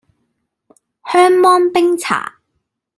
香芒冰茶